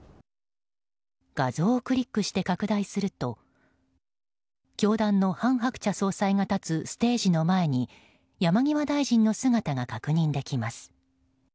画像をクリックして拡大すると教団の韓鶴子総裁が立つステージの前に山際大臣の姿が確認できます。